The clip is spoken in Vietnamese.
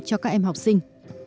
cho các em học sinh